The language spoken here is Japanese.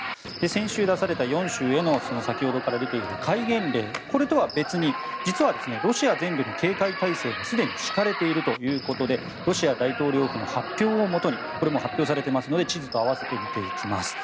先週出された４州への先ほどから出ている戒厳令これとは別に実はロシア全土に警戒体制がすでに敷かれているということでロシア大統領府の発表をもとにこれはすでに発表されていますので地図と共に見ていきます。